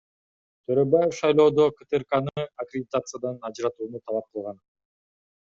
Төрөбаев шайлоодо КТРКны аккредитациядан ажыратууну талап кылган.